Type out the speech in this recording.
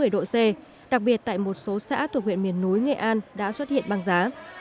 một mươi độ c đặc biệt tại một số xã thuộc huyện miền núi nghệ an đã xuất hiện băng giá